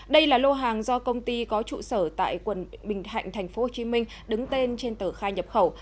đây là lô hàng do công ty có trụ sở tại quận bình thạnh tp hcm đứng tên trên tờ khai nhập khẩu